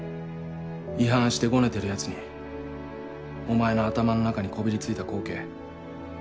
違反してゴネてるヤツにお前の頭の中にこびり付いた光景。